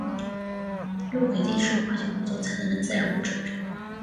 氯丙醇是一类在化学制作豉油的过程中所产生的致癌物质。